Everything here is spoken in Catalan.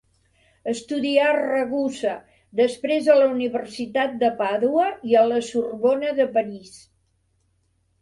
Estudià a Ragusa, després a la Universitat de Pàdua i a la Sorbona de París.